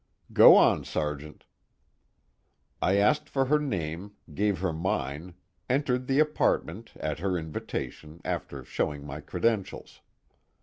"Go on, Sergeant." "I asked for her name, gave her mine, entered the apartment at her invitation after showing my credentials.